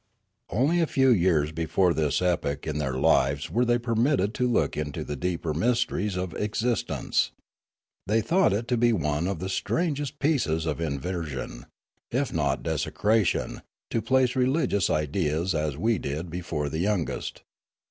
Only a few years before this epoch in their lives were they permitted to look into the deeper mysteries of 50 Limanora existence. They thought it one of the strangest pieces of inversion, if not desecration, to place religious ideas, as we did, before the youngest.